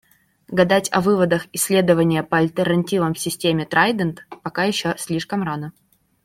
Гадать о выводах "Исследования по альтернативам системе 'Трайдент'" пока еще слишком рано.